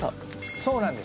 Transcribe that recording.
そうなんです。